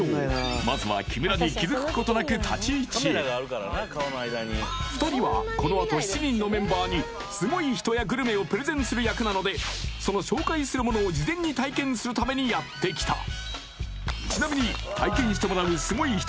まずは２人はこのあと７人のメンバーにすごい人やグルメをプレゼンする役なのでそのするためにやってきたちなみに体験してもらうすごい人やグルメは